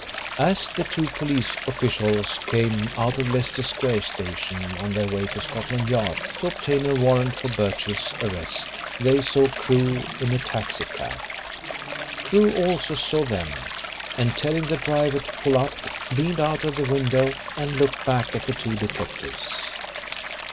As the two police officials came out of Leicester Square Station on their way to Scotland Yard to obtain a warrant for Birchill's arrest, they saw Crewe in a taxi cab. Crewe also saw them, and telling the driver to pull up leaned out of the window and looked back at the two detectives.